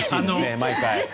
毎回。